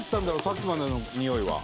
さっきまでのにおいは。